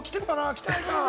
来てないかな？